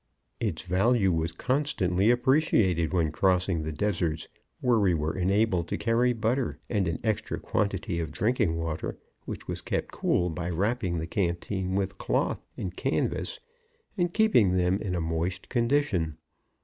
Its value was constantly appreciated when crossing the deserts where we were enabled to carry butter, and an extra quantity of drinking water which was kept cool by wrapping the canteen with cloth and canvas and keeping them in a moist condition.